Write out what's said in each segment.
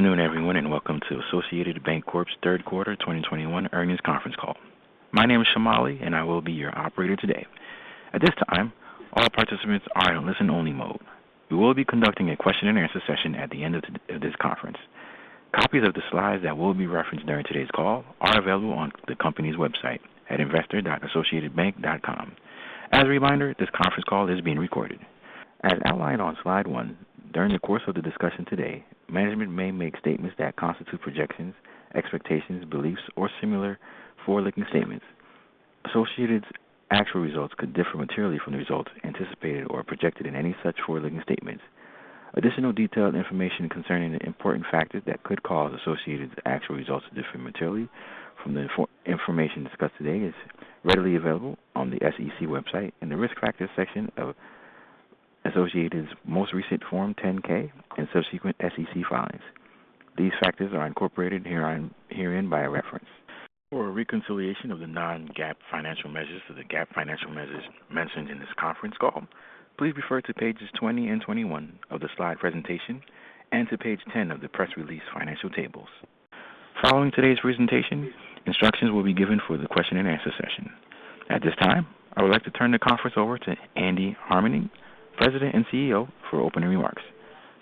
Good afternoon, everyone, welcome to Associated Banc-Corp's third quarter 2021 earnings conference call. My name is Shamali, and I will be your operator today. At this time, all participants are in listen only mode. We will be conducting a question and answer session at the end of this conference. Copies of the slides that will be referenced during today's call are available on the company's website at investor.associatedbank.com. As a reminder, this conference call is being recorded. As outlined on slide 1, during the course of the discussion today, management may make statements that constitute projections, expectations, beliefs, or similar forward-looking statements. Associated's actual results could differ materially from the results anticipated or projected in any such forward-looking statements. Additional detailed information concerning the important factors that could cause Associated's actual results to differ materially from the information discussed today is readily available on the SEC website in the Risk Factors section of Associated's most recent Form 10-K and subsequent SEC filings. These factors are incorporated herein by reference. For a reconciliation of the non-GAAP financial measures to the GAAP financial measures mentioned in this conference call, please refer to pages 20 and 21 of the slide presentation, and to page 10 of the press release financial tables. Following today's presentation, instructions will be given for the question and answer session. At this time, I would like to turn the conference over to Andy Harmening, President and CEO, for opening remarks.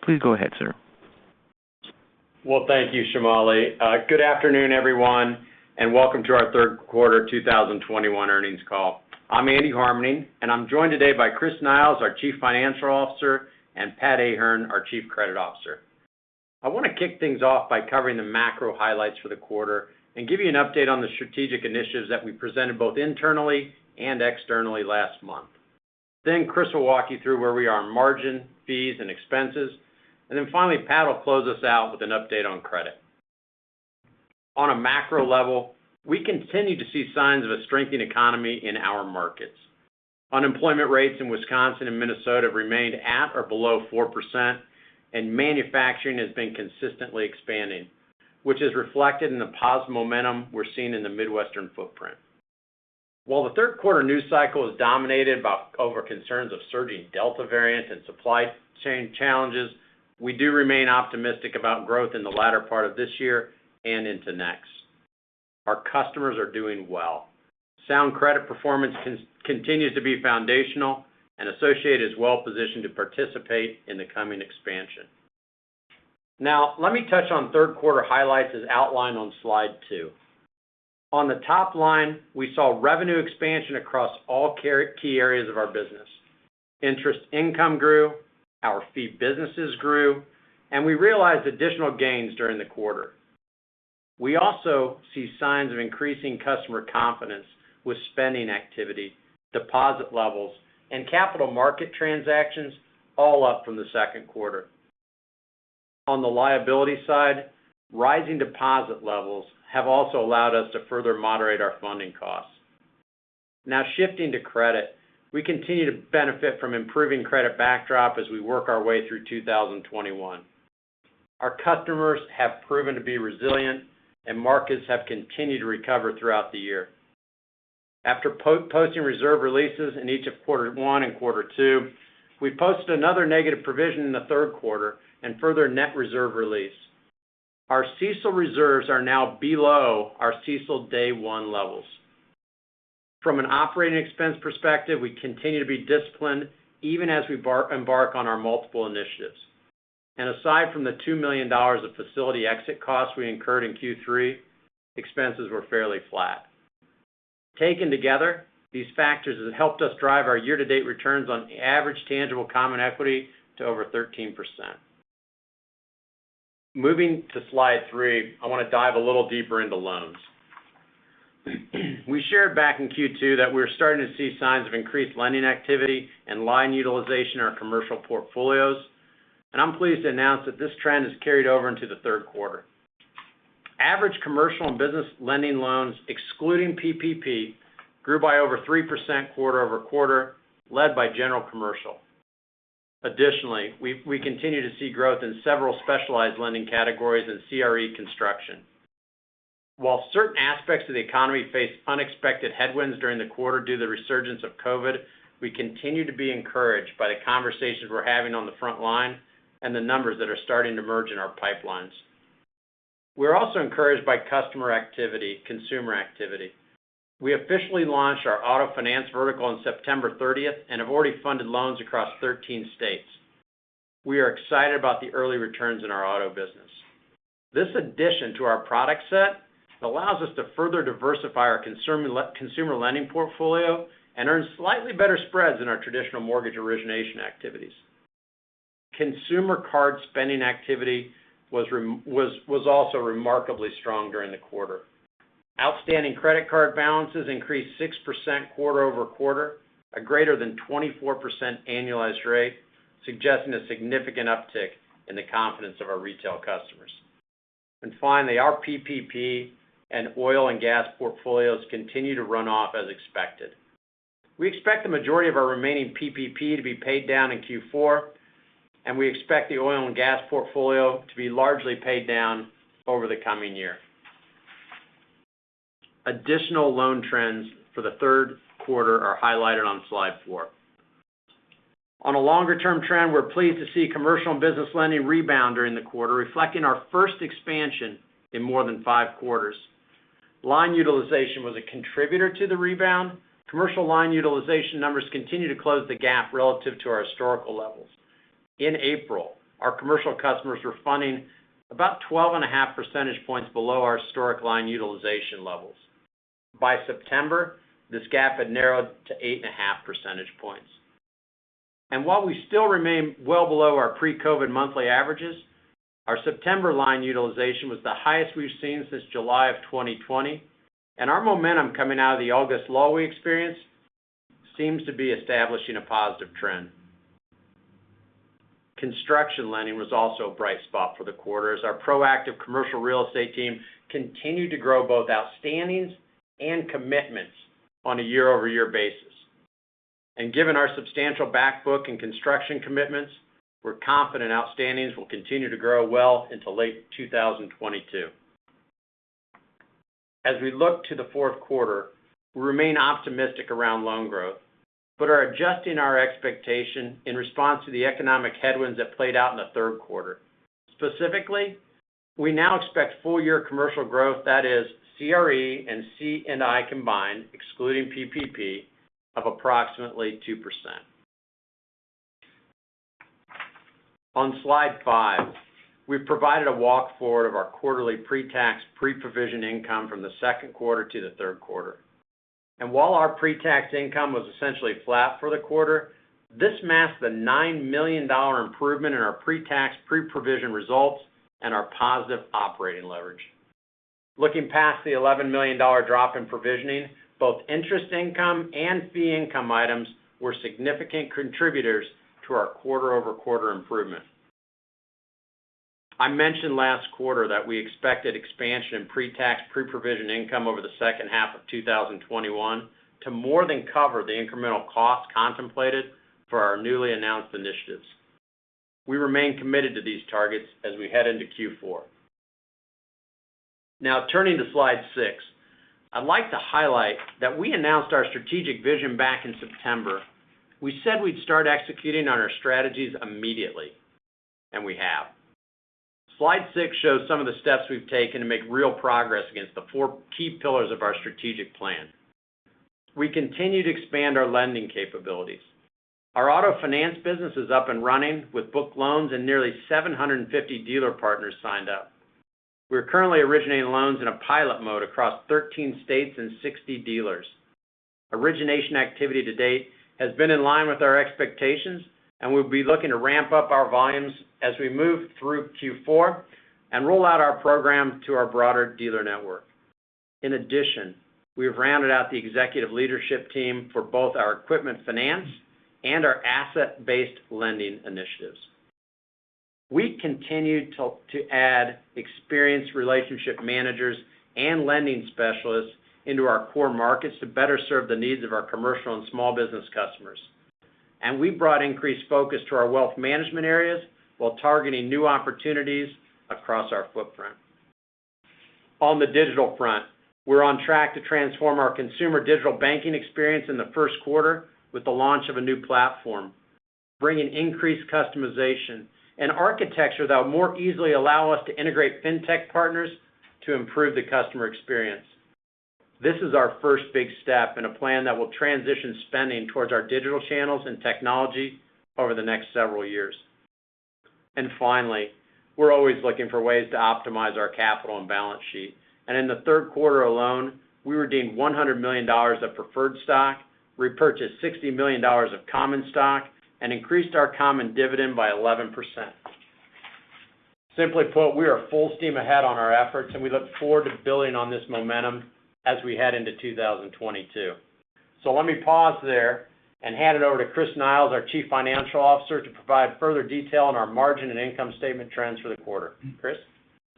Please go ahead, sir. Thank you, Shamali. Good afternoon, everyone, and welcome to our third quarter 2021 earnings call. I'm Andy Harmening, and I'm joined today by Christopher Del Moral-Niles, our Chief Financial Officer, and Patrick Ahern, our Chief Credit Officer. I want to kick things off by covering the macro highlights for the quarter and give you an update on the strategic initiatives that we presented both internally and externally last month. Chris will walk you through where we are on margin, fees, and expenses. Finally, Pat will close us out with an update on credit. On a macro level, we continue to see signs of a strengthening economy in our markets. Unemployment rates in Wisconsin and Minnesota have remained at or below 4%, and manufacturing has been consistently expanding, which is reflected in the positive momentum we're seeing in the Midwestern footprint. While the third quarter news cycle is dominated over concerns of surging Delta variant and supply chain challenges, we do remain optimistic about growth in the latter part of this year and into next. Our customers are doing well. Sound credit performance continues to be foundational, and Associated is well-positioned to participate in the coming expansion. Now, let me touch on third quarter highlights as outlined on slide two. On the top line, we saw revenue expansion across all key areas of our business. Interest income grew, our fee businesses grew, and we realized additional gains during the quarter. We also see signs of increasing customer confidence with spending activity, deposit levels, and capital market transactions all up from the second quarter. On the liability side, rising deposit levels have also allowed us to further moderate our funding costs. Now shifting to credit, we continue to benefit from improving credit backdrop as we work our way through 2021. Our customers have proven to be resilient, and markets have continued to recover throughout the year. After posting reserve releases in each of quarter one and quarter two, we posted another negative provision in the third quarter and further net reserve release. Our CECL reserves are now below our CECL day one levels. From an operating expense perspective, we continue to be disciplined even as we embark on our multiple initiatives. Aside from the $2 million of facility exit costs we incurred in Q3, expenses were fairly flat. Taken together, these factors have helped us drive our year-to-date returns on average tangible common equity to over 13%. Moving to slide three, I want to dive a little deeper into loans. We shared back in Q2 that we were starting to see signs of increased lending activity and line utilization in our commercial portfolios, and I'm pleased to announce that this trend has carried over into the third quarter. Average commercial and business lending loans, excluding PPP, grew by over 3% quarter-over-quarter, led by general commercial. Additionally, we continue to see growth in several specialized lending categories and CRE construction. While certain aspects of the economy faced unexpected headwinds during the quarter due to the resurgence of COVID, we continue to be encouraged by the conversations we're having on the front line and the numbers that are starting to emerge in our pipelines. We're also encouraged by customer activity, consumer activity. We officially launched our auto finance vertical on September 30th and have already funded loans across 13 states. We are excited about the early returns in our auto business. This addition to our product set allows us to further diversify our consumer lending portfolio and earn slightly better spreads in our traditional mortgage origination activities. Consumer card spending activity was also remarkably strong during the quarter. Outstanding credit card balances increased 6% quarter-over-quarter, a greater than 24% annualized rate, suggesting a significant uptick in the confidence of our retail customers. Finally, our PPP and oil and gas portfolios continue to run off as expected. We expect the majority of our remaining PPP to be paid down in Q4, and we expect the oil and gas portfolio to be largely paid down over the coming year. Additional loan trends for the third quarter are highlighted on slide four. On a longer-term trend, we're pleased to see commercial and business lending rebound during the quarter, reflecting our first expansion in more than five quarters. Line utilization was a contributor to the rebound. Commercial line utilization numbers continue to close the gap relative to our historical levels. In April, our commercial customers were funding about 12.5 percentage points below our historic line utilization levels. By September, this gap had narrowed to 8.5 percentage points. While we still remain well below our pre-COVID monthly averages, our September line utilization was the highest we've seen since July of 2020, and our momentum coming out of the August lull we experienced seems to be establishing a positive trend. Construction lending was also a bright spot for the quarter, as our proactive commercial real estate team continued to grow both outstandings and commitments on a year-over-year basis. Given our substantial back book and construction commitments, we're confident outstandings will continue to grow well into late 2022. As we look to the fourth quarter, we remain optimistic around loan growth, but are adjusting our expectation in response to the economic headwinds that played out in the third quarter. Specifically, we now expect full-year commercial growth, that is CRE and C&I combined, excluding PPP, of approximately 2%. On slide five, we've provided a walk-forward of our quarterly pre-tax, pre-provision income from the second quarter to the third quarter. While our pre-tax income was essentially flat for the quarter, this masked the $9 million improvement in our pre-tax, pre-provision results and our positive operating leverage. Looking past the $11 million drop in provisioning, both interest income and fee income items were significant contributors to our quarter-over-quarter improvement. I mentioned last quarter that we expected expansion in pre-tax, pre-provision income over the second half of 2021 to more than cover the incremental costs contemplated for our newly announced initiatives. We remain committed to these targets as we head into Q4. Turning to slide six, I'd like to highlight that we announced our strategic vision back in September. We said we'd start executing on our strategies immediately, and we have. Slide six shows some of the steps we've taken to make real progress against the four key pillars of our strategic plan. We continue to expand our lending capabilities. Our auto finance business is up and running with booked loans and nearly 750 dealer partners signed up. We're currently originating loans in a pilot mode across 13 states and 60 dealers. Origination activity to date has been in line with our expectations, and we'll be looking to ramp up our volumes as we move through Q4 and roll out our program to our broader dealer network. In addition, we've rounded out the executive leadership team for both our equipment finance and our asset-based lending initiatives. We continue to add experienced relationship managers and lending specialists into our core markets to better serve the needs of our commercial and small business customers. We've brought increased focus to our wealth management areas while targeting new opportunities across our footprint. On the digital front, we're on track to transform our consumer digital banking experience in the first quarter with the launch of a new platform, bringing increased customization and architecture that will more easily allow us to integrate fintech partners to improve the customer experience. This is our first big step in a plan that will transition spending towards our digital channels and technology over the next several years. Finally, we're always looking for ways to optimize our capital and balance sheet. In the third quarter alone, we redeemed $100 million of preferred stock, repurchased $60 million of common stock, and increased our common dividend by 11%. Simply put, we are full steam ahead on our efforts, and we look forward to building on this momentum as we head into 2022. Let me pause there and hand it over to Chris Niles, our Chief Financial Officer, to provide further detail on our margin and income statement trends for the quarter. Chris?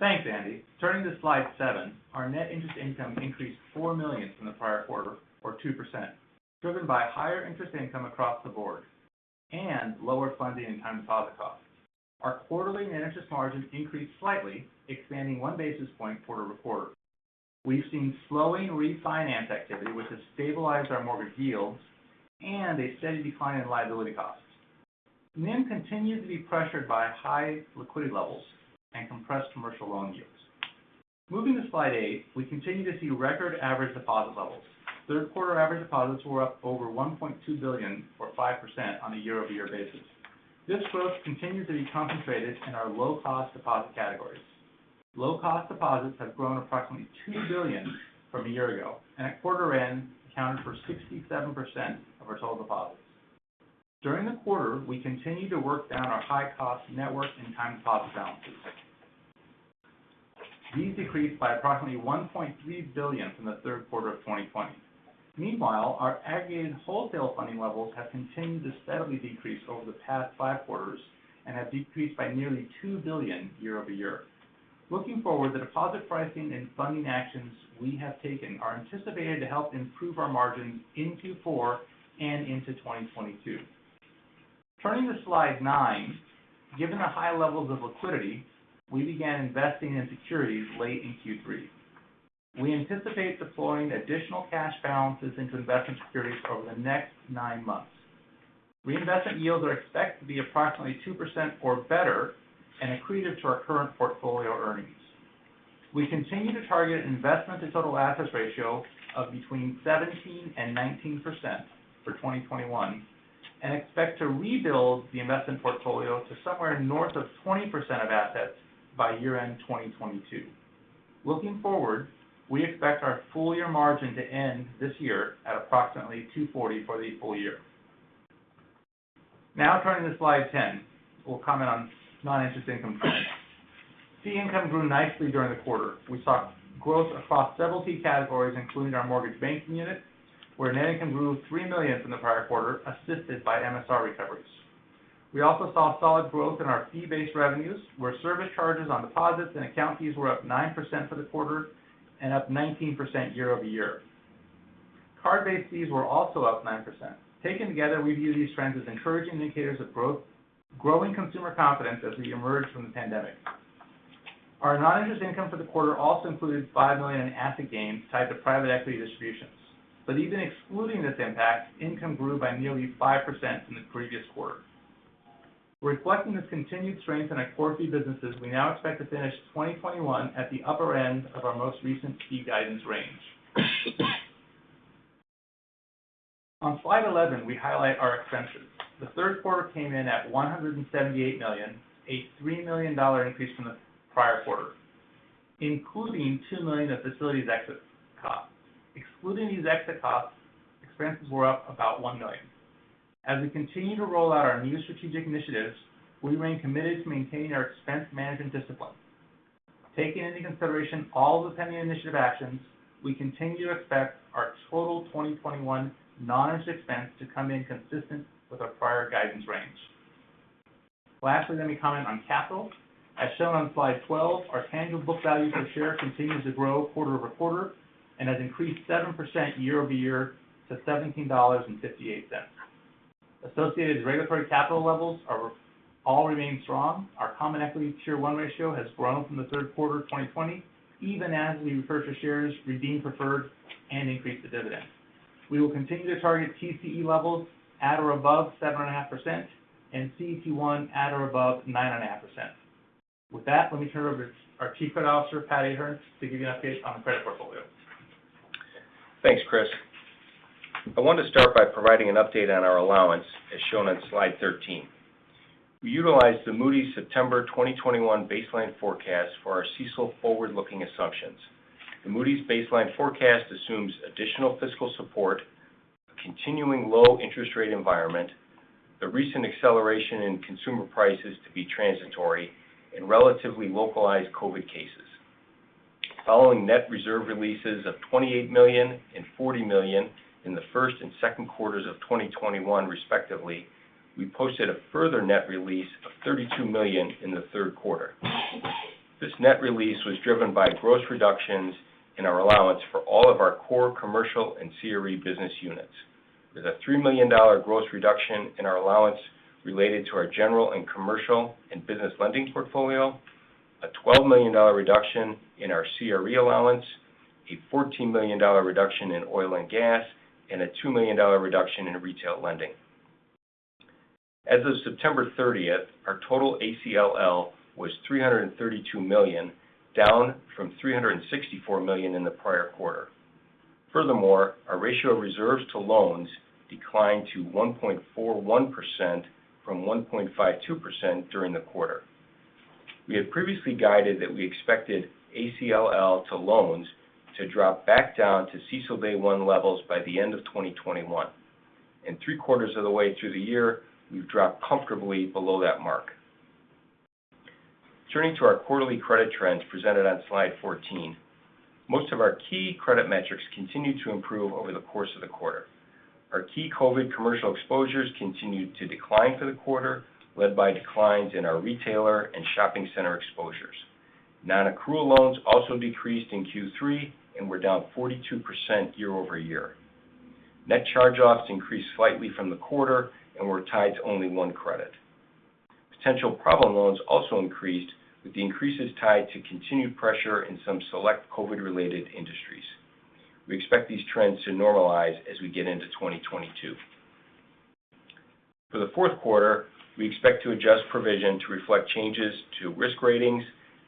Thanks, Andy. Turning to slide seven, our net interest income increased $4 million from the prior quarter, or 2%, driven by higher interest income across the board and lower funding and time deposit costs. Our quarterly net interest margin increased slightly, expanding one basis point quarter-over-quarter. We've seen slowing refinance activity, which has stabilized our mortgage yields and a steady decline in liability costs. NIM continued to be pressured by high liquidity levels and compressed commercial loan yields. Moving to slide eight, we continue to see record average deposit levels. Third quarter average deposits were up over $1.2 billion, or 5%, on a year-over-year basis. This growth continues to be concentrated in our low-cost deposit categories. Low-cost deposits have grown approximately $2 billion from a year ago, and at quarter end, accounted for 67% of our total deposits. During the quarter, we continued to work down our high-cost network and time deposit balances. These decreased by approximately $1.3 billion from the third quarter of 2020. Meanwhile, our aggregated wholesale funding levels have continued to steadily decrease over the past five quarters and have decreased by nearly $2 billion year-over-year. Looking forward, the deposit pricing and funding actions we have taken are anticipated to help improve our margins in Q4 and into 2022. Turning to slide nine. Given the high levels of liquidity, we began investing in securities late in Q3. We anticipate deploying additional cash balances into investment securities over the next nine months. Reinvestment yields are expected to be approximately 2% or better and accretive to our current portfolio earnings. We continue to target an investment to total assets ratio of between 17% and 19% for 2021, and expect to rebuild the investment portfolio to somewhere north of 20% of assets by year-end 2022. Looking forward, we expect our full year margin to end this year at approximately 240 for the full year. Turning to slide 10. We'll comment on non-interest income trends. Fee income grew nicely during the quarter. We saw growth across several fee categories, including our mortgage banking unit, where net income grew $3 million from the prior quarter, assisted by MSR recoveries. We also saw solid growth in our fee-based revenues, where service charges on deposits and account fees were up 9% for the quarter and up 19% year-over-year. Card-based fees were also up 9%. Taken together, we view these trends as encouraging indicators of growing consumer confidence as we emerge from the pandemic. Our non-interest income for the quarter also included $5 million in asset gains tied to private equity distributions. Even excluding this impact, income grew by nearly 5% from the previous quarter. Reflecting this continued strength in our core fee businesses, we now expect to finish 2021 at the upper end of our most recent fee guidance range. On slide 11, we highlight our expenses. The third quarter came in at $178 million, a $3 million increase from the prior quarter, including $2 million of facilities exit costs. Excluding these exit costs, expenses were up about $1 million. As we continue to roll out our new strategic initiatives, we remain committed to maintaining our expense management discipline. Taking into consideration all the pending initiative actions, we continue to expect our total 2021 non-interest expense to come in consistent with our prior guidance range. Lastly, let me comment on capital. As shown on slide 12, our tangible book value per share continues to grow quarter-over-quarter and has increased 7% year-over-year to $17.58. Associated regulatory capital levels all remain strong. Our common equity Tier one ratio has grown from the third quarter of 2020, even as we repurchase shares, redeem preferred, and increase the dividend. We will continue to target TCE levels at or above 7.5% and CET1 at or above 9.5%. With that, let me turn it over to our Chief Credit Officer, Patrick Ahern, to give you an update on the credit portfolio. Thanks, Chris. I want to start by providing an update on our allowance, as shown on slide 13. We utilized the Moody's September 2021 baseline forecast for our CECL forward-looking assumptions. The Moody's baseline forecast assumes additional fiscal support, a continuing low interest rate environment, the recent acceleration in consumer prices to be transitory, and relatively localized COVID cases. Following net reserve releases of $28 million and $40 million in the first and second quarters of 2021, respectively, we posted a further net release of $32 million in the third quarter. This net release was driven by gross reductions in our allowance for all of our core commercial and CRE business units. There's a $3 million gross reduction in our allowance related to our general and commercial and business lending portfolio, a $12 million reduction in our CRE allowance, a $14 million reduction in oil and gas, and a $2 million reduction in retail lending. As of September 30th, our total ACLL was $332 million, down from $364 million in the prior quarter. Furthermore, our ratio of reserves to loans declined to 1.41% from 1.52% during the quarter. We had previously guided that we expected ACLL to loans to drop back down to CECL day one levels by the end of 2021. Three quarters of the way through the year, we've dropped comfortably below that mark. Turning to our quarterly credit trends presented on slide 14. Most of our key credit metrics continued to improve over the course of the quarter. Our key COVID commercial exposures continued to decline for the quarter, led by declines in our retailer and shopping center exposures. Non-accrual loans also decreased in Q3 and were down 42% year-over-year. Net charge-offs increased slightly from the quarter and were tied to only one credit. Potential problem loans also increased, with the increases tied to continued pressure in some select COVID-related industries. We expect these trends to normalize as we get into 2022. For the fourth quarter, we expect to adjust provision to reflect changes to risk ratings,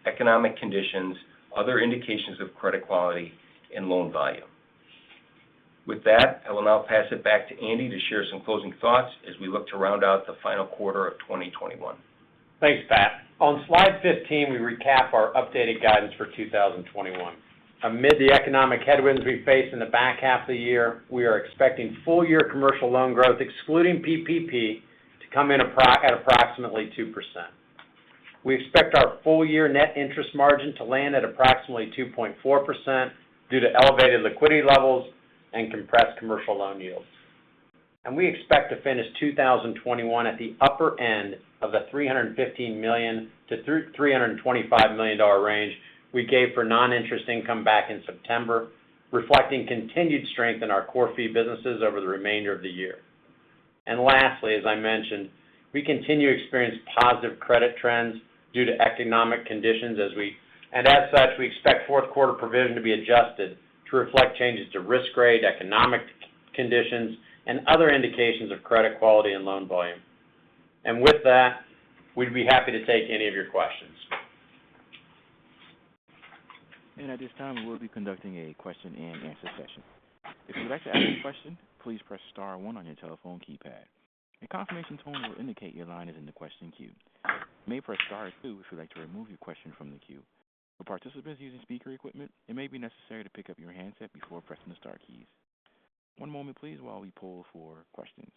economic conditions, other indications of credit quality, and loan volume. With that, I will now pass it back to Andy to share some closing thoughts as we look to round out the final quarter of 2021. Thanks, Pat. On slide 15, we recap our updated guidance for 2021. Amid the economic headwinds we face in the back half of the year, we are expecting full year commercial loan growth, excluding PPP, to come in at approximately 2%. We expect our full year net interest margin to land at approximately 2.4% due to elevated liquidity levels and compressed commercial loan yields. We expect to finish 2021 at the upper end of the $315 million-$325 million range we gave for non-interest income back in September, reflecting continued strength in our core fee businesses over the remainder of the year. Lastly, as I mentioned, we continue to experience positive credit trends due to economic conditions. As such, we expect fourth quarter provision to be adjusted to reflect changes to risk grade, economic conditions, and other indications of credit quality and loan volume. With that, we'd be happy to take any of your questions. At this time, we'll be conducting a question and answer session. If you'd like to ask a question, please press star one on your telephone keypad. A confirmation tone will indicate your line is in the question queue. You may press star two if you'd like to remove your question from the queue. For participants using speaker equipment, it may be necessary to pick up your handset before pressing the star keys. One moment, please, while we poll for questions.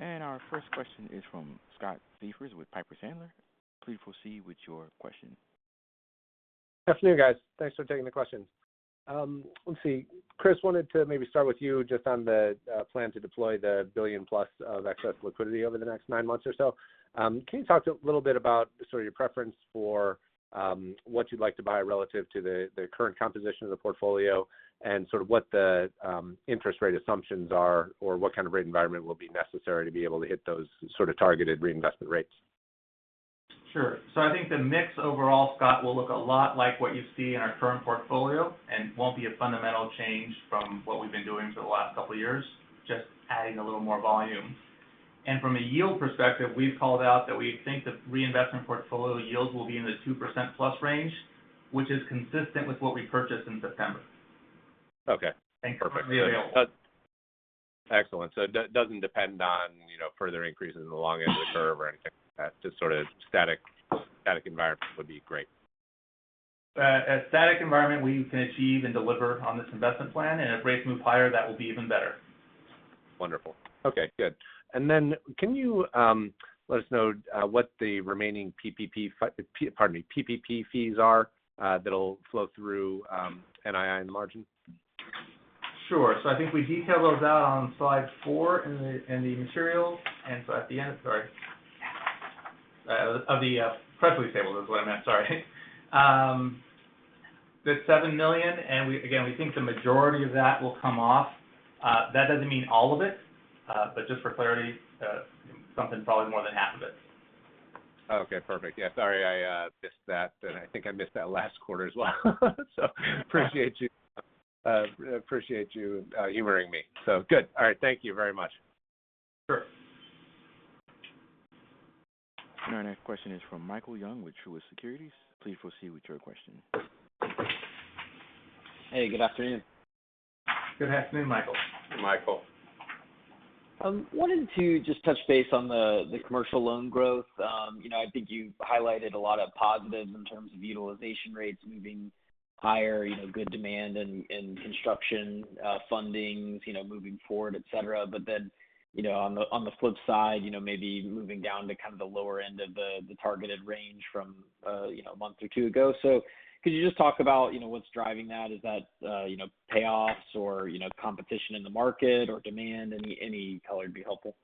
Our first question is from Scott Siefers with Piper Sandler. Please proceed with your question. Good afternoon, guys. Thanks for taking the question. Let's see. I wanted to maybe start with you, Chris, just on the plan to deploy the $1 billion+ of excess liquidity over the next nine months or so. Can you talk a little about your preference for what you'd like to buy relative to the current composition of the portfolio, and what the interest rate assumptions are or what kind of rate environment will be necessary to be able to hit those targeted reinvestment rates? Sure. I think the mix overall, Scott, will look a lot like what you see in our current portfolio and won't be a fundamental change from what we've been doing for the last couple of years, just adding a little more volume. From a yield perspective, we've called out that we think the reinvestment portfolio yields will be in the 2%-plus range, which is consistent with what we purchased in September. Okay. Perfect. Thanks. Excellent. It doesn't depend on further increases in the long end of the curve or anything like that, just a static environment would be great. A static environment we can achieve and deliver on this investment plan, and if rates move higher, that will be even better. Wonderful. Okay, good. Can you let us know what the remaining PPP fees are that'll flow through NII and the margin? Sure. I think we detail those out on slide four in the materials, and so at the end, sorry, of the press release table is what I meant. Sorry. That's $7 million. Again, we think the majority of that will come off. That doesn't mean all of it. Just for clarity, something probably more than half of it. Okay, perfect. Yeah, sorry, I missed that. I think I missed that last quarter as well. Appreciate you humoring me. Good. All right. Thank you very much. Sure. Our next question is from Michael Young with Truist Securities. Please proceed with your question. Hey, good afternoon. Good afternoon, Michael. Hey, Michael. Wanted to just touch base on the commercial loan growth. I think you highlighted a lot of positives in terms of utilization rates moving higher, good demand in construction fundings, moving forward, et cetera. On the flip side, maybe moving down to kind of the lower end of the targeted range from a month or two ago. Could you just talk about what's driving that? Is that payoffs or competition in the market or demand? Any color would be helpful.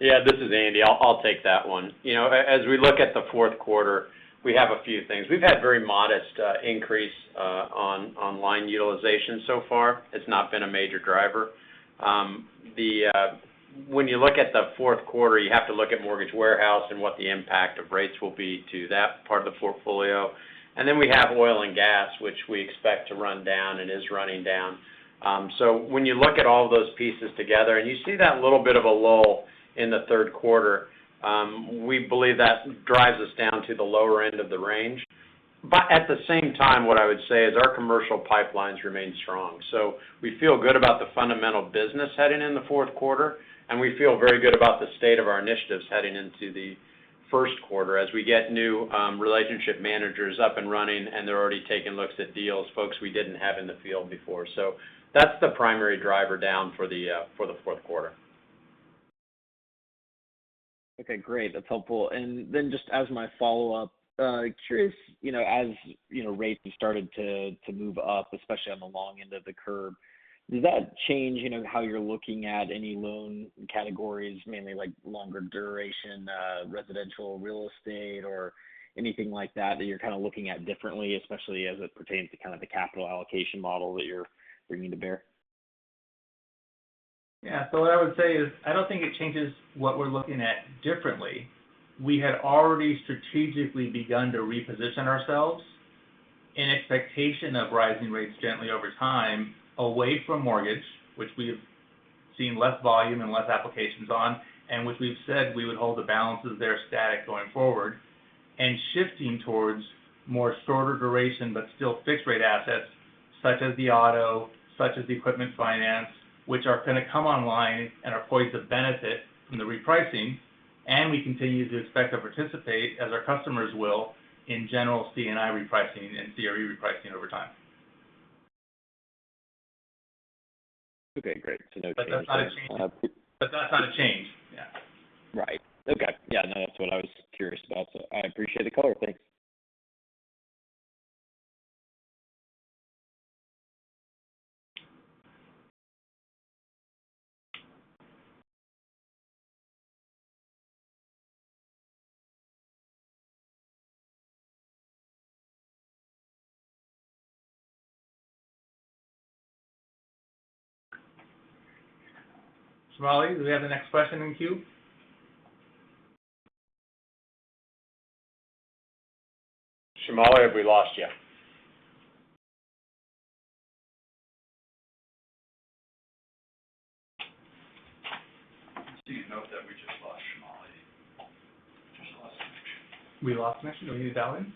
Yeah, this is Andy. I'll take that one. As we look at the fourth quarter, we have a few things. We've had very modest increase on line utilization so far. It's not been a major driver. When you look at the fourth quarter, you have to look at mortgage warehouse and what the impact of rates will be to that part of the portfolio. We have oil and gas, which we expect to run down and is running down. When you look at all those pieces together and you see that little bit of a lull in the third quarter, we believe that drives us down to the lower end of the range. At the same time, what I would say is our commercial pipelines remain strong. We feel good about the fundamental business heading in the fourth quarter, and we feel very good about the state of our initiatives heading into the first quarter as we get new relationship managers up and running, and they're already taking looks at deals, folks we didn't have in the field before. That's the primary driver down for the fourth quarter. Okay, great. That's helpful. Then just as my follow-up, curious as rates have started to move up, especially on the long end of the curve, does that change how you're looking at any loan categories, mainly like longer duration, residential real estate, or anything like that that you're kind of looking at differently, especially as it pertains to kind of the capital allocation model that you're bringing to bear? Yeah. What I would say is, I don't think it changes what we're looking at differently. We had already strategically begun to reposition ourselves in expectation of rising rates gently over time away from mortgage, which we have seen less volume and less applications on, and which we've said we would hold the balances there static going forward, and shifting towards more shorter duration but still fixed rate assets such as the auto, such as the equipment finance, which are going to come online and are poised to benefit from the repricing. We continue to expect to participate, as our customers will, in general C&I repricing and CRE repricing over time. Okay, great. No change there. That's not a change. Right. Okay. Yeah, no, that's what I was curious about. I appreciate the color. Thanks. Shamali, do we have the next question in queue? Shamali, have we lost you? Just so you know that we just lost Shamali. Just lost connection. We lost connection. Do we need Alan?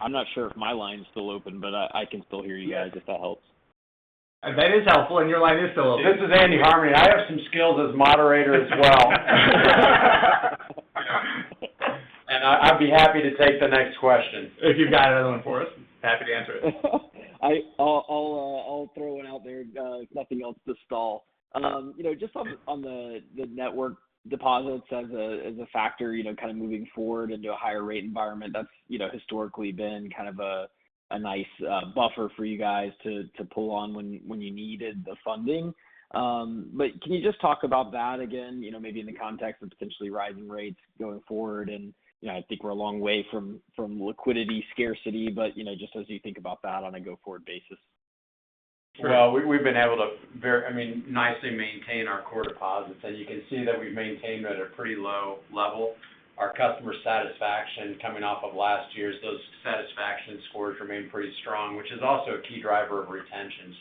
I'm not sure if my line's still open, but I can still hear you guys, if that helps. That is helpful, and your line is still open. This is Andy Harmening. I have some skills as moderator as well. I'd be happy to take the next question. If you've got another one for us? Happy to answer it. I'll throw one out there, if nothing else, to stall. Just on the network deposits as a factor kind of moving forward into a higher rate environment, that's historically been kind of a nice buffer for you guys to pull on when you needed the funding. Can you just talk about that again, maybe in the context of potentially rising rates going forward? I think we're a long way from liquidity scarcity, but just as you think about that on a go-forward basis. Well, we've been able to nicely maintain our core deposits. As you can see that we've maintained at a pretty low level. Our customer satisfaction coming off of last year's, those satisfaction scores remain pretty strong, which is also a key driver of retention.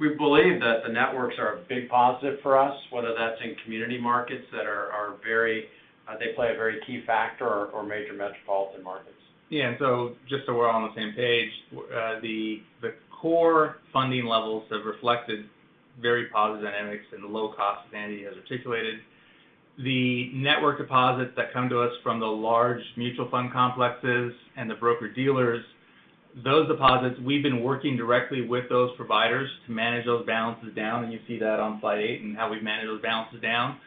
We believe that the networks are a big positive for us, whether that's in community markets that are very. They play a very key factor or major metropolitan markets. Yeah. Just so we're all on the same page, the core funding levels have reflected very positive dynamics and low costs, as Andy has articulated. The network deposits that come to us from the large mutual fund complexes and the broker-dealers, those deposits, we've been working directly with those providers to manage those balances down, and you see that on Slide eight and how we manage those balances down.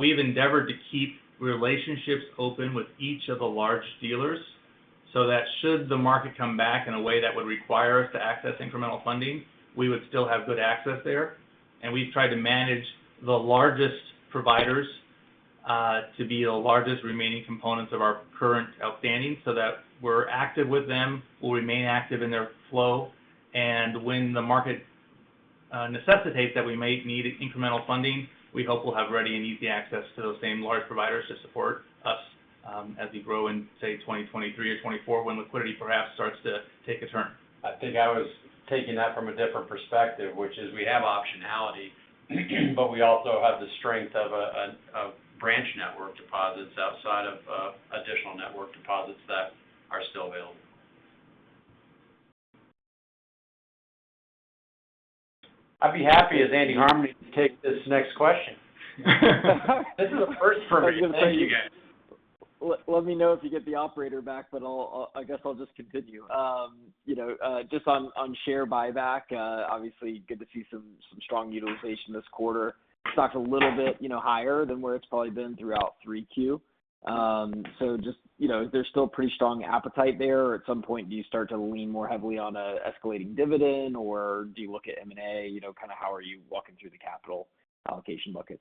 We've endeavored to keep relationships open with each of the large dealers so that should the market come back in a way that would require us to access incremental funding, we would still have good access there. We've tried to manage the largest providers to be the largest remaining components of our current outstanding so that we're active with them, we'll remain active in their flow. When the market necessitates that we may need incremental funding, we hope we'll have ready and easy access to those same large providers to support us as we grow in, say, 2023 or 2024 when liquidity perhaps starts to take a turn. I think I was taking that from a different perspective, which is we have optionality, but we also have the strength of branch network deposits outside of additional network deposits that are still available. I'd be happy, as Andy Harmening, to take this next question. This is a first for me. Thank you, guys. Let me know if you get the operator back. I guess I'll just continue. Just on share buyback, obviously good to see some strong utilization this quarter. Stock's a little bit higher than where it's probably been throughout 3Q. Just is there still pretty strong appetite there? At some point, do you start to lean more heavily on a escalating dividend, or do you look at M&A? Kind of how are you walking through the capital allocation bucket?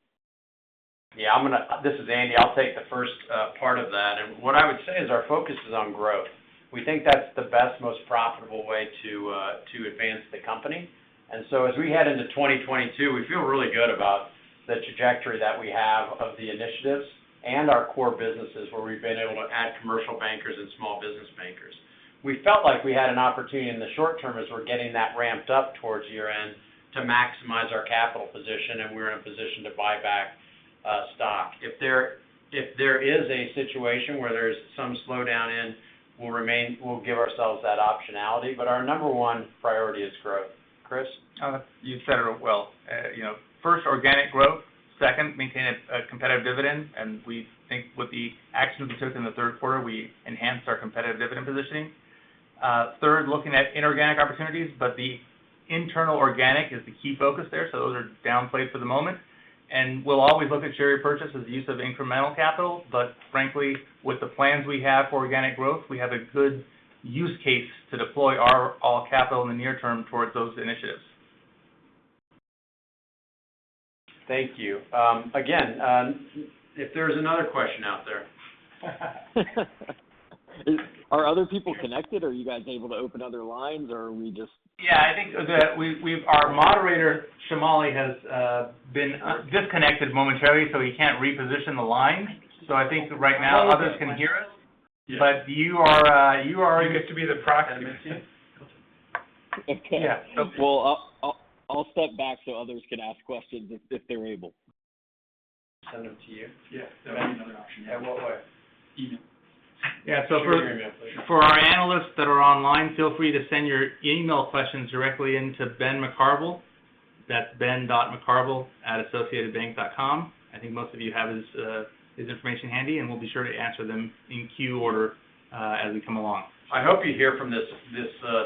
Yeah. This is Andy. I'll take the first part of that. What I would say is our focus is on growth. We think that's the best, most profitable way to advance the company. As we head into 2022, we feel really good about the trajectory that we have of the initiatives and our core businesses where we've been able to add commercial bankers and small business bankers. We felt like we had an opportunity in the short term as we're getting that ramped up towards year-end to maximize our capital position, and we're in a position to buy back stock. If there is a situation where there's some slowdown in, we'll give ourselves that optionality. Our number one priority is growth. Chris? You said it well. First, organic growth. Second, maintain a competitive dividend. We think with the actions we took in the third quarter, we enhanced our competitive dividend positioning. Third, looking at inorganic opportunities. The internal organic is the key focus there, so those are downplayed for the moment. We'll always look at share repurchase as the use of incremental capital. Frankly, with the plans we have for organic growth, we have a good use case to deploy all capital in the near term towards those initiatives. Thank you. Again. If there is another question out there. Are other people connected? Are you guys able to open other lines, or are we? Yeah, I think that our moderator, Shamali, has been disconnected momentarily, so he can't reposition the lines. I think right now others can hear us. Yes. you are- You get to be the proxy. Yeah. Well, I'll step back so others can ask questions if they're able. Send them to you? Yeah. Send them to me. Yeah. What way? Email. Yeah. Share your email, please. for our analysts that are online, feel free to send your email questions directly in to Ben McCarville. That's ben.mccarville@associatedbank.com. I think most of you have his information handy, and we'll be sure to answer them in queue order as we come along. I hope you hear from this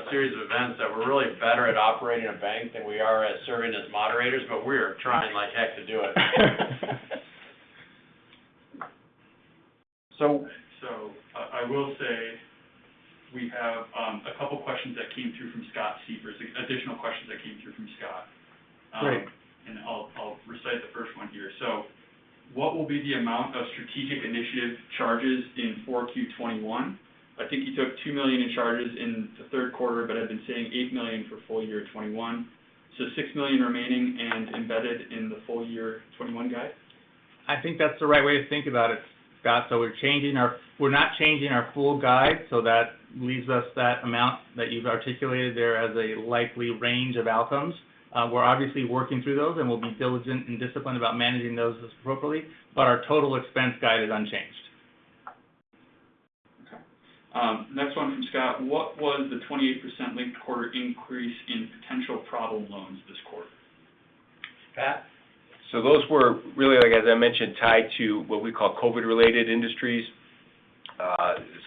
series of events that we're really better at operating a bank than we are at serving as moderators, but we're trying like heck to do it. So- We have a couple questions that came through from Scott Siefers, additional questions that came through from Scott. Great. I'll recite the first one here. What will be the amount of strategic initiative charges in 4Q 2021? I think you took $2 million in charges in the third quarter, but had been saying $8 million for full year 2021. $6 million remaining and embedded in the full year 2021 guide? I think that's the right way to think about it, Scott. We're not changing our full guide, so that leaves us that amount that you've articulated there as a likely range of outcomes. We're obviously working through those, and we'll be diligent and disciplined about managing those appropriately. Our total expense guide is unchanged. Okay. Next one from Scott. What was the 28% linked quarter increase in potential problem loans this quarter? Those were really, as I mentioned, tied to what we call COVID-related industries.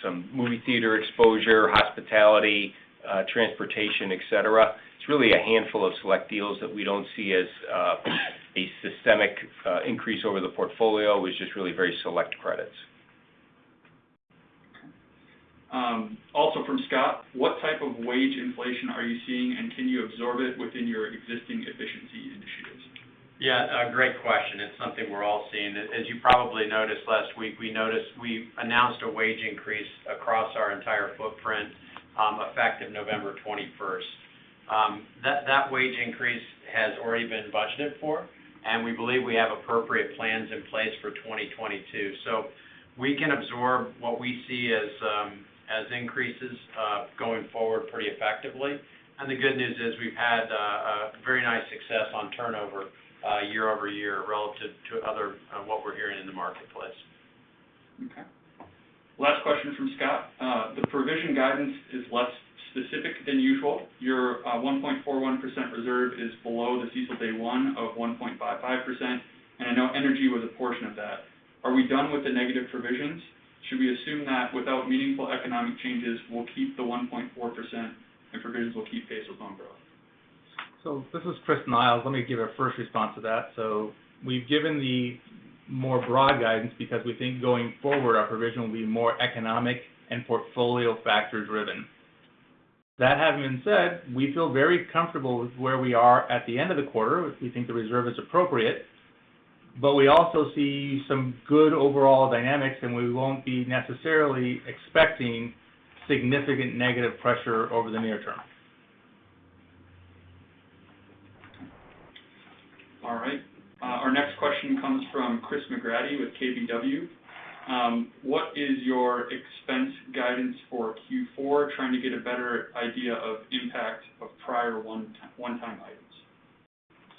Some movie theater exposure, hospitality, transportation, et cetera. It's really a handful of select deals that we don't see as a systemic increase over the portfolio. It was just really very select credits. Also from Scott, what type of wage inflation are you seeing, and can you absorb it within your existing efficiency initiatives? Yeah, great question. It's something we're all seeing. As you probably noticed last week, we noticed we announced a wage increase across our entire footprint, effective November 21st. That wage increase has already been budgeted for, and we believe we have appropriate plans in place for 2022. We can absorb what we see as increases going forward pretty effectively. The good news is we've had very nice success on turnover year-over-year relative to what we're hearing in the marketplace. Okay. Last question from Scott. The provision guidance is less specific than usual. Your 1.41% reserve is below the CECL day one of 1.55%, and I know energy was a portion of that. Are we done with the negative provisions? Should we assume that without meaningful economic changes, we'll keep the 1.4%, and provisions will keep pace with loan growth? This is Chris Niles. Let me give a first response to that. We've given the more broad guidance because we think going forward, our provision will be more economic and portfolio factor-driven. That having been said, we feel very comfortable with where we are at the end of the quarter. We think the reserve is appropriate. We also see some good overall dynamics, and we won't be necessarily expecting significant negative pressure over the near term. All right. Our next question comes from Chris McGratty with KBW. What is your expense guidance for Q4? Trying to get a better idea of impact of prior one-time items.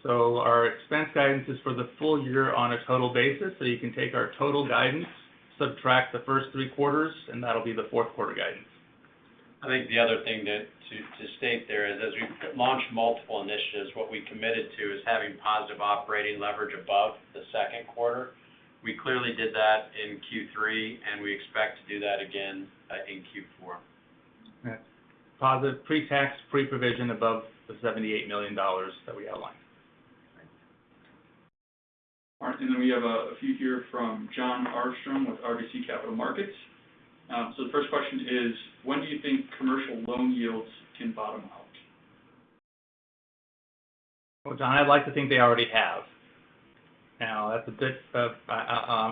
Our expense guidance is for the full year on a total basis. You can take our total guidance, subtract the first three quarters, and that'll be the fourth quarter guidance. I think the other thing to state there is as we launch multiple initiatives, what we committed to is having positive operating leverage above the second quarter. We clearly did that in Q3, and we expect to do that again in Q4. Yes. Positive pre-tax, pre-provision above the $78 million that we outlined. All right. We have a few here from Jon Arfstrom with RBC Capital Markets. The first question is, when do you think commercial loan yields can bottom out? Well, Jon, I'd like to think they already have. That's a bit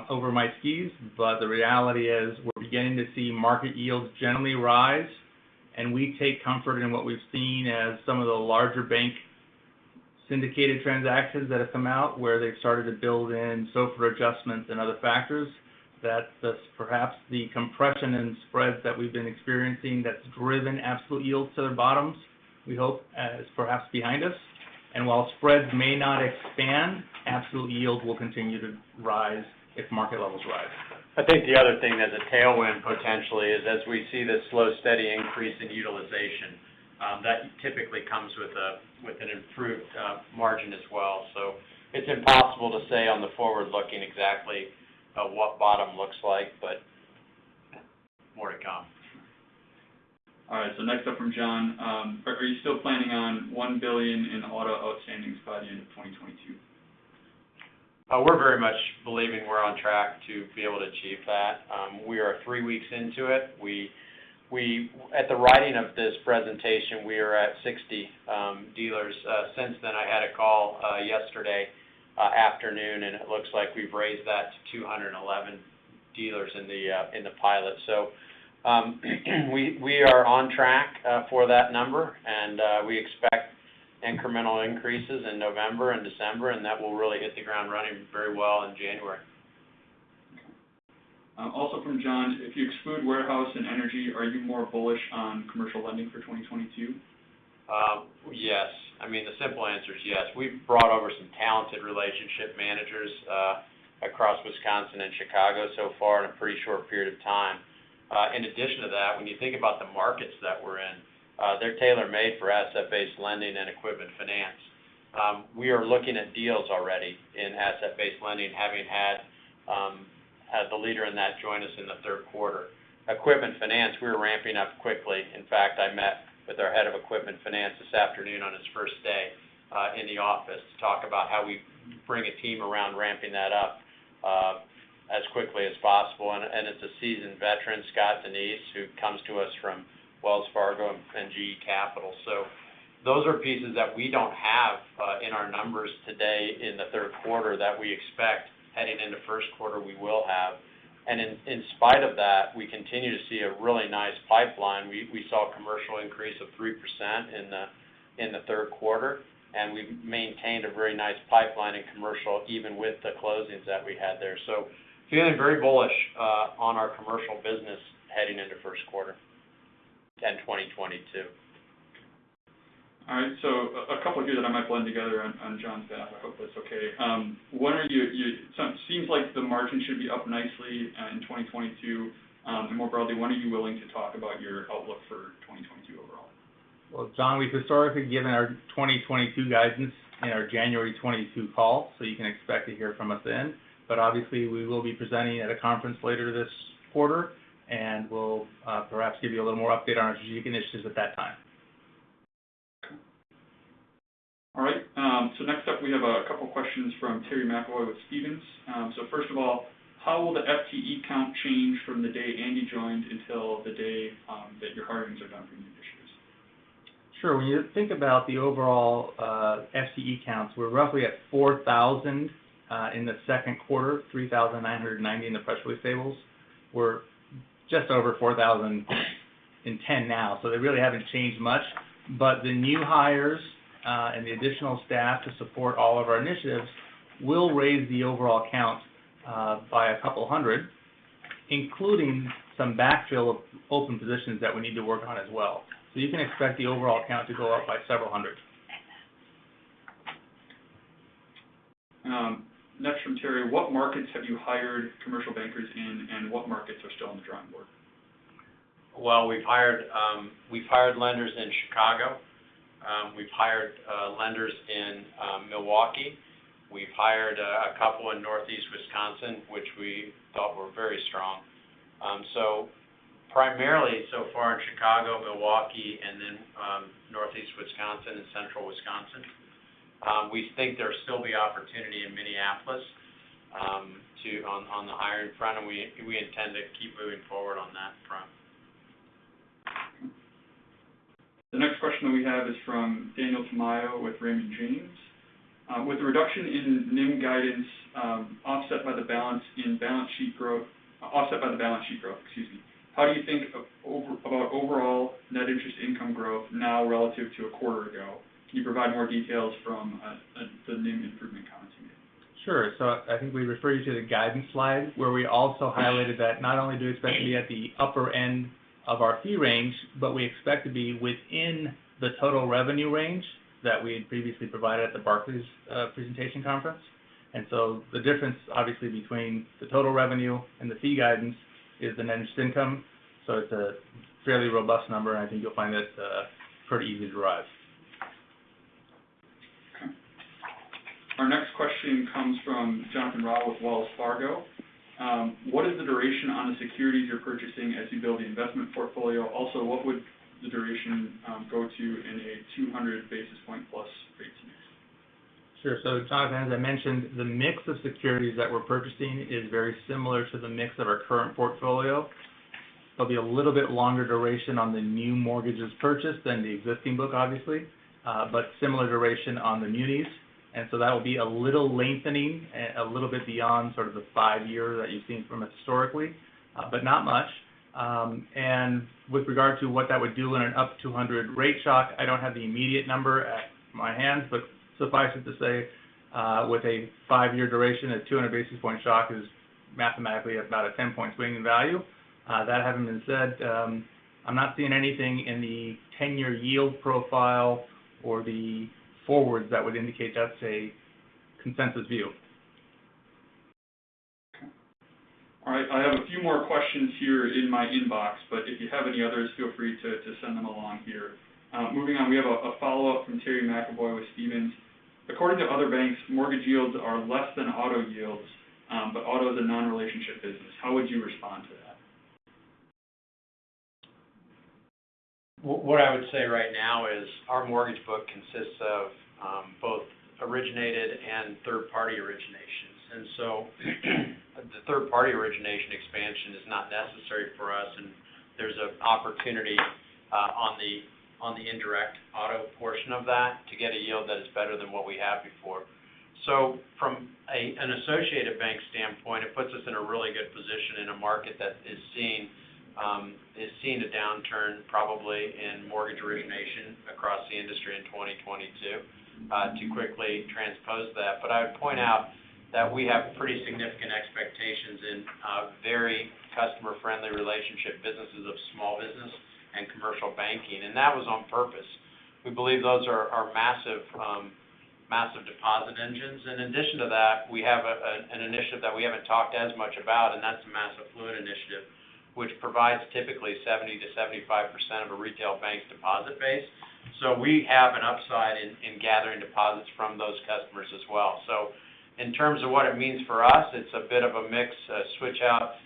over my skis, but the reality is we're beginning to see market yields generally rise, and we take comfort in what we've seen as some of the larger bank syndicated transactions that have come out where they've started to build in SOFR adjustments and other factors. That's perhaps the compression in spreads that we've been experiencing that's driven absolute yields to their bottoms, we hope is perhaps behind us. While spreads may not expand, absolute yields will continue to rise if market levels rise. I think the other thing as a tailwind potentially is as we see this slow, steady increase in utilization, that typically comes with an improved margin as well. It's impossible to say on the forward-looking exactly what bottom looks like, but more to come. All right. Next up from Jon. Are you still planning on $1 billion in auto outstandings by the end of 2022? We're very much believing we're on track to be able to achieve that. We are three weeks into it. At the writing of this presentation, we are at 60 dealers. Since then, I had a call yesterday afternoon, and it looks like we've raised that to 211 dealers in the pilot. We are on track for that number, and we expect incremental increases in November and December, and that will really hit the ground running very well in January. From Jon, if you exclude warehouse and energy, are you more bullish on commercial lending for 2022? Yes. I mean, the simple answer is yes. We've brought over some talented relationship managers across Wisconsin and Chicago so far in a pretty short period of time. In addition to that, when you think about the markets that we're in, they're tailor-made for asset-based lending and equipment finance. We are looking at deals already in asset-based lending, having had the leader in that join us in the third quarter. Equipment finance, we're ramping up quickly. In fact, I met with our head of equipment finance this afternoon on his first day in the office to talk about how we bring a team around ramping that up as quickly as possible. It's a seasoned veteran, Scott Siefers, who comes to us from Wells Fargo and GE Capital. Those are pieces that we don't have in our numbers today in the third quarter that we expect heading into first quarter, we will have. In spite of that, we continue to see a really nice pipeline. We saw a commercial increase of 3% in the third quarter, and we've maintained a very nice pipeline in commercial even with the closings that we had there. Feeling very bullish on our commercial business heading into first quarter 2022. All right. A couple here that I might blend together on Jon's behalf. I hope that's okay. It seems like the margin should be up nicely in 2022. More broadly, when are you willing to talk about your outlook for 2022 overall? Well, Jon, we've historically given our 2022 guidance in our January 2022 call. You can expect to hear from us then. Obviously, we will be presenting at a conference later this quarter, and we'll perhaps give you a little more update on our strategic initiatives at that time. Okay. All right. Next up we have a couple questions from Terry McEvoy with Stephens. First of all, how will the FTE count change from the day Andy joined until the day that your hirings are done for your initiatives? Sure. When you think about the overall FTE counts, we're roughly at 4,000 in the second quarter, 3,990 in the press release tables. We're just over 4,010 now. They really haven't changed much. The new hires and the additional staff to support all of our initiatives will raise the overall count by 200, including some backfill of open positions that we need to work on as well. You can expect the overall count to go up by several hundred. Next from Terry, what markets have you hired commercial bankers in, and what markets are still on the drawing board? Well, we've hired lenders in Chicago. We've hired lenders in Milwaukee. We've hired a couple in Northeast Wisconsin, which we thought were very strong. Primarily so far in Chicago, Milwaukee, and then Northeast Wisconsin and Central Wisconsin. We think there'll still be opportunity in Minneapolis on the hiring front, and we intend to keep moving forward on that front. The next question that we have is from Daniel Tamayo with Raymond James. With the reduction in NIM guidance offset by the balance sheet growth, how do you think about overall net interest income growth now relative to a quarter ago? Can you provide more details from the NIM improvement comments you made? Sure. I think we referred you to the guidance slide where we also highlighted that not only do we expect to be at the upper end of our fee range, but we expect to be within the total revenue range that we had previously provided at the Barclays presentation conference. The difference obviously between the total revenue and the fee guidance is the net interest income. It's a fairly robust number, and I think you'll find it pretty easy to derive. Okay. Our next question comes from Jared Shaw with Wells Fargo. What is the duration on the securities you're purchasing as you build the investment portfolio? Also, what would the duration go to in a 200 basis point plus rate mix? Sure. Jared, as I mentioned, the mix of securities that we're purchasing is very similar to the mix of our current portfolio. There'll be a little bit longer duration on the new mortgages purchased than the existing book obviously, but similar duration on the munis. That'll be a little lengthening, a little bit beyond sort of the 5-year that you've seen from us historically, but not much. With regard to what that would do in an up 200 rate shock, I don't have the immediate number at my hands, but suffice it to say, with a 5-year duration, a 200 basis point shock is mathematically about a 10-point swing in value. That having been said, I'm not seeing anything in the 10-year yield profile or the forwards that would indicate that's a consensus view. Okay. All right. I have a few more questions here in my inbox, but if you have any others, feel free to send them along here. Moving on, we have a follow-up from Terry McEvoy with Stephens. According to other banks, mortgage yields are less than auto yields, but auto is a non-relationship business. How would you respond to that? What I would say right now is our mortgage book consists of both originated and third-party originations. The third-party origination expansion is not necessary for us, and there's an opportunity on the indirect auto portion of that to get a yield that is better than what we had before. From an Associated Bank standpoint, it puts us in a really good position in a market that is seeing a downturn probably in mortgage origination across the industry in 2022 to quickly transpose that. I would point out that we have pretty significant expectations in very customer-friendly relationship businesses of small business and commercial banking, and that was on purpose. We believe those are massive deposit engines. In addition to that, we have an initiative that we haven't talked as much about, and that's the Mass Affluent Initiative, which provides typically 70%-75% of a retail bank deposit base. We have an upside in gathering deposits from those customers as well. In terms of what it means for us, it's a bit of a mix, a switch out,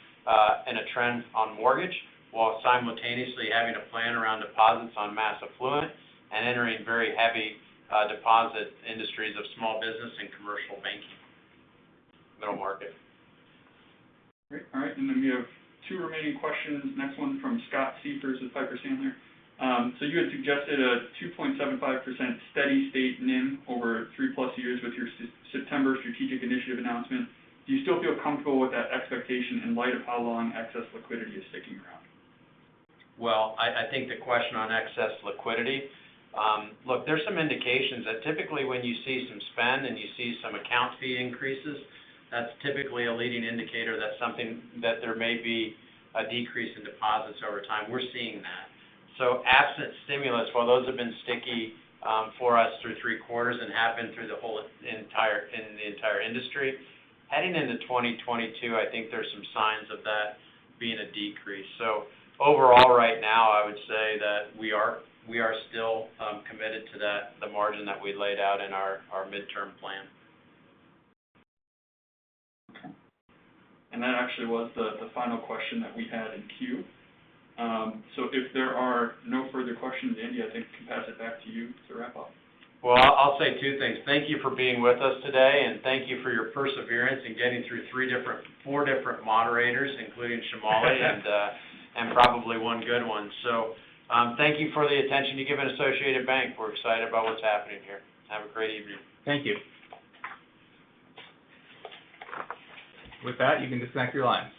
and a trend on mortgage, while simultaneously having a plan around deposits on mass affluent and entering very heavy deposit industries of small business and commercial banking middle market. Great. All right, we have two remaining questions. Next one from Scott Siefers with Piper Sandler. You had suggested a 2.75% steady state NIM over 3-plus years with your September strategic initiative announcement. Do you still feel comfortable with that expectation in light of how long excess liquidity is sticking around? Well, I think the question on excess liquidity-- Look, there's some indications that typically when you see some spend and you see some account fee increases, that's typically a leading indicator that there may be a decrease in deposits over time. We're seeing that. Absent stimulus, while those have been sticky for us through three quarters and have been in the entire industry, heading into 2022, I think there's some signs of that being a decrease. Overall right now, I would say that we are still committed to the margin that we laid out in our midterm plan. Okay. That actually was the final question that we had in queue. If there are no further questions, Andy, I think we can pass it back to you to wrap up. Well, I'll say two things. Thank you for being with us today, and thank you for your perseverance in getting through four different moderators, including Shamali and probably one good one. Thank you for the attention you give at Associated Bank. We're excited about what's happening here. Have a great evening. Thank you. With that, you can disconnect your lines.